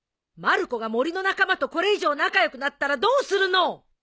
まる子が森の仲間とこれ以上仲良くなったらどうするの！